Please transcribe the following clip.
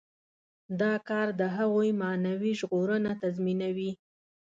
دا کار د هغوی معنوي ژغورنه تضمینوي.